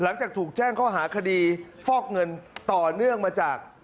หลังจากถูกแจ้งข้อหาคดีฟอกเงินต่อเนื่องมาจาก